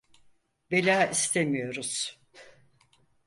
Bela istemiyoruz.